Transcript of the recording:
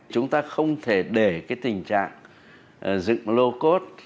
chúng ta không thể để cái tình trạng dựng lô cốt